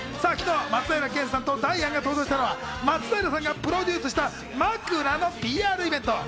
昨日、松平健さんとダイアンが登場したのは松平さんがプロデュースした枕のイベント。